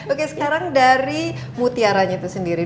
oke sekarang dari mutiaranya itu sendiri